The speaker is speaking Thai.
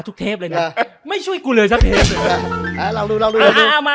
ทุกเทปเลยนะไม่ช่วยกูเลยสักเทปอ่าเราดูเราดูเราดูอ่ามา